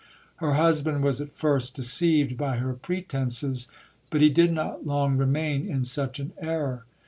Her husband was at first deceived by her pre tences ; but he did not long remain in such an error.